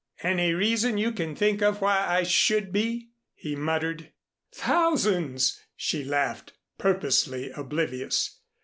"Any reason you can think of why I should be?" he muttered. "Thousands," she laughed, purposely oblivious.